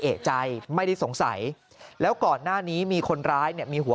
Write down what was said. เอกใจไม่ได้สงสัยแล้วก่อนหน้านี้มีคนร้ายเนี่ยมีหัว